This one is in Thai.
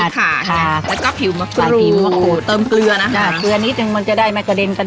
แต่ว่าตำน่ำ